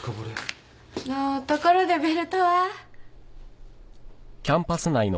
あのーところでベルトは？